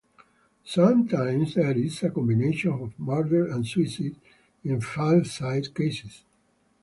Sometimes, there is a combination of murder and suicide in filicide cases.